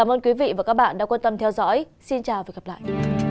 xin chào và hẹn gặp lại